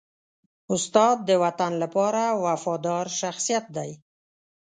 استاد د وطن لپاره وفادار شخصیت دی.